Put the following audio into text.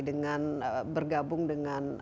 dengan bergabung dengan